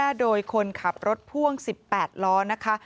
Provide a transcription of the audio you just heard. เผยแพร่โดยคนขับรถพ่วง๑๘ล้อนะคะ